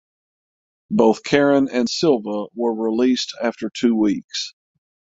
Both Karin and Silva were released after two weeks.